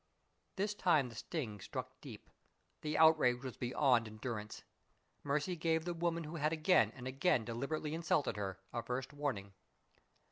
This time the sting struck deep; the outrage was beyond endurance. Mercy gave the woman who had again and again deliberately insulted her a first warning.